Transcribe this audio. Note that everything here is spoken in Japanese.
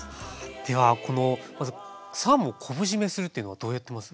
ではこのまずサーモンを昆布じめするっていうのはどうやってます？